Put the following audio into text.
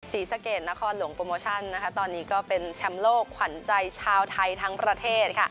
ศรีสะเกดนครหลวงโปรโมชั่นตอนนี้ก็เป็นแชมป์โลกขวัญใจชาวไทยทั้งประเทศ